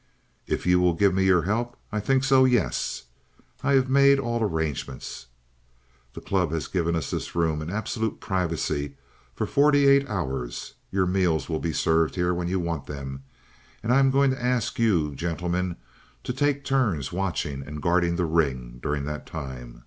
"If you will give me your help, I think so, yes. I have made all arrangements. The club has given us this room in absolute privacy for forty eight hours. Your meals will be served here when you want them, and I am going to ask you, gentlemen, to take turns watching and guarding the ring during that time.